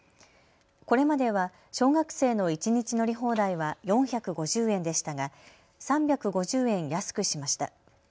これまでは小学生の一日乗り放題は４５０円でしたが３５０円安くしました。